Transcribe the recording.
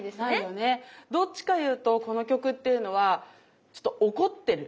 どっちかいうとこの曲っていうのはちょっと怒ってる。